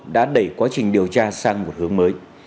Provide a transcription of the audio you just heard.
đã đẩy quá trình điều tra sang một hướng mới